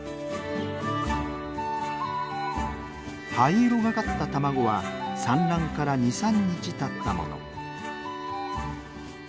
灰色がかった卵は産卵から２３日たったもの。